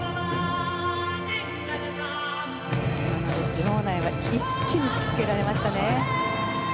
場内は一気に引きつけられましたね。